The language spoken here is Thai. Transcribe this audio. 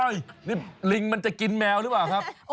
นี่ลิงมันจะกินแมวหรือเปล่าครับ